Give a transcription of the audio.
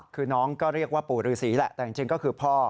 คือน้องก็เรียกว่าปู่ฤษีแหละแต่จริงก็คือพ่อ